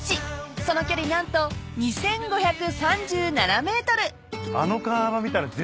［その距離何と２，５３７ｍ］